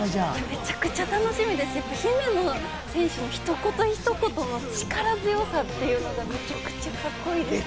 めちゃくちゃ楽しみですし、姫野選手の、ひと言ひと言の力強さというのが、めちゃくちゃカッコいいですね。